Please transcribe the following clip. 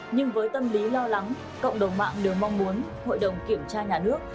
nhưng với tâm lý lo lắng cộng đồng mạng đều mong muốn hội đồng kiểm tra nhà nước